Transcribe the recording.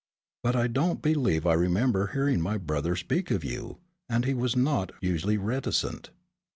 "But I don't believe I remember hearing my brother speak of you, and he was not usually reticent."